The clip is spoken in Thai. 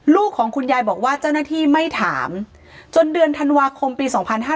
ของคุณยายบอกว่าเจ้าหน้าที่ไม่ถามจนเดือนธันวาคมปี๒๕๕๙